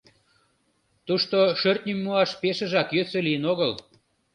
Тушто шӧртньым муаш пешыжак йӧсӧ лийын огыл.